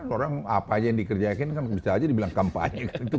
orang apa aja yang dikerjakan bisa aja dibilang kampanye